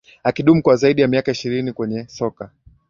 akidumu kwa zaidi ya miaka ishirini kwenye soka